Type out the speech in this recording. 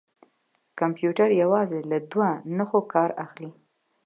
کمپیوټر یوازې له دوه نښو کار اخلي.